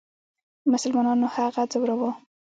مسلمانانو هغه ځوراوه.